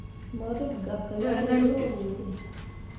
Mo rǝkʼgah ke lalle yo ruuɓe.